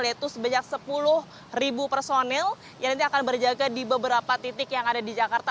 yaitu sebanyak sepuluh personil yang nanti akan berjaga di beberapa titik yang ada di jakarta